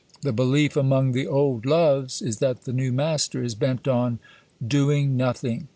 The belief among the old loves is that the new master is bent on doing nothing.